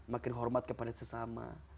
makin hormat kepada sesama